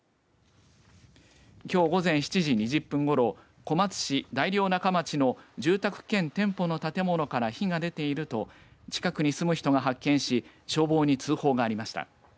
きょう午前７時２０分ごろ小松市大領中町の住宅兼店舗の建物から火が出ていると近くに住む人が発見し消防に通報がありました。